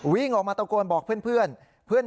วิ่งออกมาตะโกนบอกเพื่อน